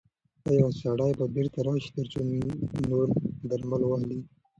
ایا سړی به بیرته راشي ترڅو نور درمل واخلي؟